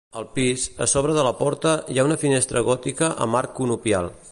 Al pis, a sobre de la porta hi ha una finestra gòtica amb arc conopial.